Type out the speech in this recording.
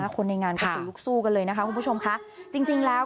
คนในงานก็สูงลุกสู้กันเลยนะค่ะคุณผู้ชมค่ะ